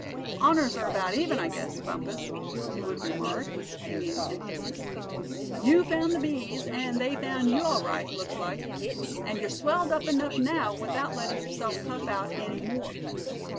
"Honors are about even, I guess, Bumpus," he would remark, with stinging emphasis; "you found the bees, and they found you, all right, looks like. And you're swelled up enough now without letting yourself puff out any more.